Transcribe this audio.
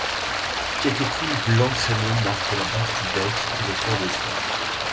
Quelques plumes blanc crémeux marquent la base du bec et le tour des yeux.